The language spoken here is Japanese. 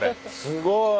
すごい！